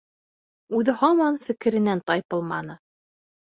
Үҙе һаман фекеренән тайпылманы.